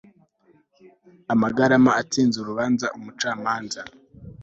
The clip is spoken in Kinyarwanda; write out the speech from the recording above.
y amagarama atsinze urubanza umucamanza